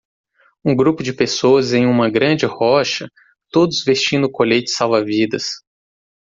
Um grupo de pessoas em uma grande rocha todos vestindo coletes salva-vidas.